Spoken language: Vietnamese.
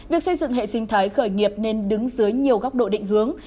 việc xây dựng hệ sinh thái khởi nghiệp nên đứng dưới nhiều góc độ định hướng